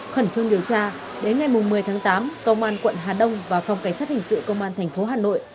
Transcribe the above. khẩn trương điều tra đến ngày một mươi tháng tám công an quận hà đông và phòng cảnh sát hình sự công an tp hà nội